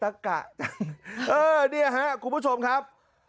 เนี่ยครับคุณผู้ชมครับ